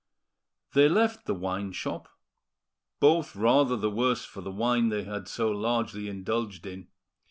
They left the wine shop, both rather the worse for the wine they had so largely indulged in.